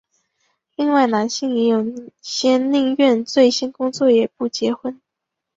另外男性也有些宁愿醉心工作也不结婚。